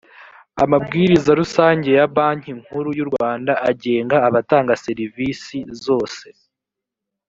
amabwiriza rusange ya banki nkuru y u rwanda agenga abatanga serivisi zose